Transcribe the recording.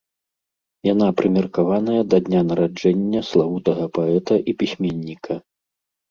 Яна прымеркаваная да дня нараджэння славутага паэта і пісьменніка.